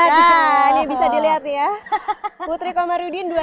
nah ini bisa dilihat ya putri komarudin dua ribu dua puluh empat